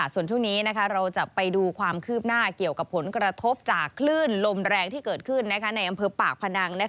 ส่วนช่วงนี้เราจะไปดูความคืบหน้าเกี่ยวกับผลกระทบจากคลื่นลมแรงที่เกิดขึ้นในอำเภอปากพนัง